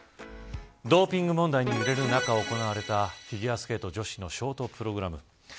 ドーピング問題に揺れる中、行われたフィギュアスケート女子のショートプログラム。